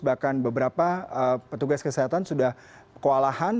bahkan beberapa petugas kesehatan sudah kewalahan